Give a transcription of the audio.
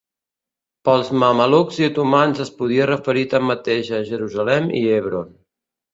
Pels mamelucs i otomans es podia referir tanmateix a Jerusalem i Hebron.